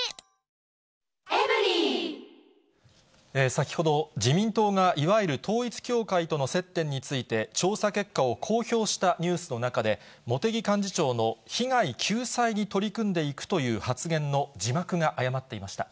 先ほど、自民党が、いわゆる統一教会との接点について、調査結果を公表したニュースの中で、茂木幹事長の被害救済に取り組んでいくという発言の字幕が誤っていました。